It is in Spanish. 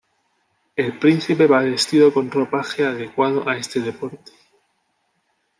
El príncipe va vestido con ropaje adecuado a este deporte.